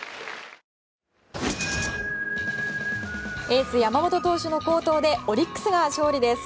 エース山本投手の好投でオリックスが勝利です。